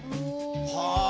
はあ。